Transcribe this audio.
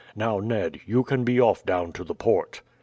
Now, Ned, you can be off down to the port."